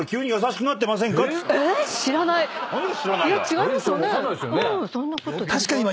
違いますよね？